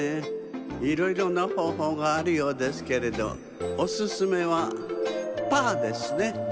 いろいろなほうほうがあるようですけれどおすすめはパーですね。